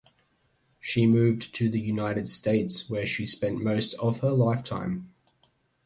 She moved to the United States where she spent most of her lifetime.